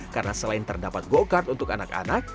karena selain terdapat go kart untuk anak anak